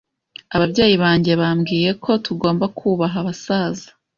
Ababyeyi banjye bambwiye ko tugomba kubaha abasaza.